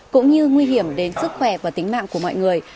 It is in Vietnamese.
cũng như nguy hiểm đến sức khỏe và tính mạng của mọi người